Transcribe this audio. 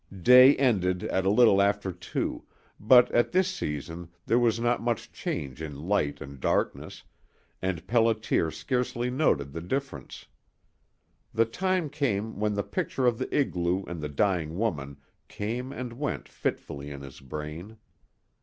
Day ended at a little after two, but at this season there was not much change in light and darkness, and Pelliter scarcely noted the difference. The time came when the picture of the igloo and the dying woman came and went fitfully in his brain.